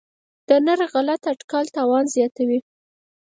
د نرخ غلط اټکل تاوان زیاتوي.